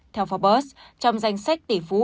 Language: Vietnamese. theo forbes trong danh sách tỷ phú usd